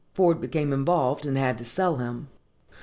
Ford became involved, and had to sell him.